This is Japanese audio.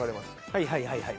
はいはいはいはい。